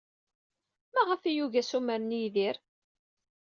Maɣef ay yugi assumer n Yidir?